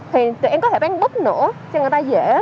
thì tụi em có thể bán búp nữa cho người ta dễ